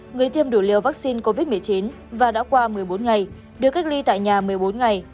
người tiêm đủ liều vaccine covid một mươi chín và đã qua một mươi bốn ngày được cách ly tại nhà một mươi bốn ngày